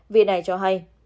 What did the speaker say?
vì này cho hay